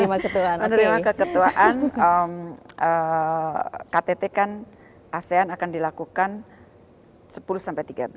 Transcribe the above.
menerima ketuaan ktt kan asean akan dilakukan sepuluh sampai tiga belas